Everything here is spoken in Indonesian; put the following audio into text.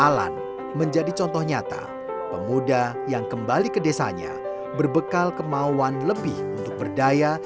alan menjadi contoh nyata pemuda yang kembali ke desanya berbekal kemauan lebih untuk berdaya